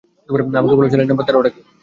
আমাকে বল, challenge number তেরো টা কি?